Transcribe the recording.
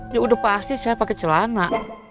ya udah pasti saya pakai celana